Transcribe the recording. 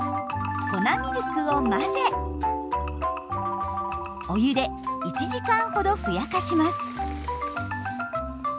粉ミルクを混ぜお湯で１時間ほどふやかします。